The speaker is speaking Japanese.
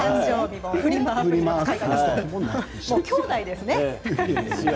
きょうだいですね。